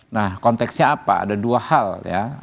nah konteksnya apa ada dua hal ya